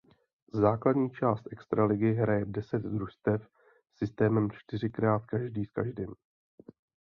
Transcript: Základní část extraligy hraje deset družstev systémem čtyřikrát každý s každým.